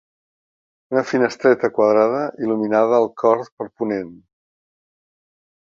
Una finestreta quadrada il·luminada el cor per ponent.